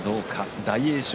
翔、大栄翔。